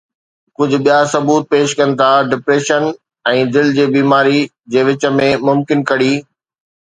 ڪجهه ٻيا ثبوت پيش ڪن ٿا ڊپريشن ۽ دل جي بيماري جي وچ ۾ ممڪن ڪڙي